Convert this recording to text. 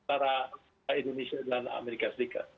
antara indonesia dan amerika serikat